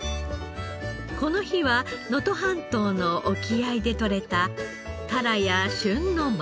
この日は能登半島の沖合で取れたタラや旬のマダイも。